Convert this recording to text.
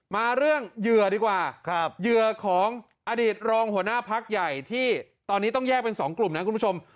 มาเรื่องเหยื่อดีกว่าเหยื่อของอดีตรองหัวหน้าพักใหญ่ที่ตอนนี้ต้องแยกเป็น๒กลุ่มนะคุณผู้ชม